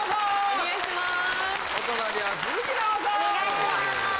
お願いします。